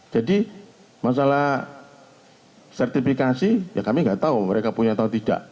jadi masalah sertifikasi ya kami enggak tahu mereka punya atau tidak